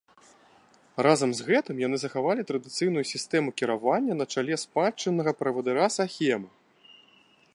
Разам з гэтым, яны захавалі традыцыйную сістэму кіравання на чале спадчыннага правадыра-сахема.